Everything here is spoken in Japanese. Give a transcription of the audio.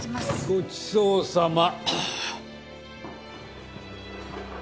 ごちそうさま。